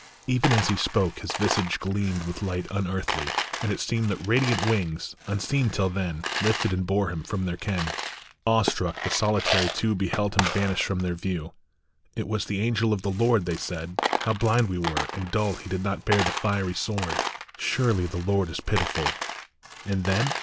Even as he spoke his visage gleamed With light unearthly, and it seemed That radiant wings, unseen till then, Lifted and bore him from their ken. Awe struck the solitary two Beheld him vanish from their view. " It was the angel of the Lord," They said. " How blind we were and dull He did not bear the fiery sword ; Surely the Lord is pitiful." And then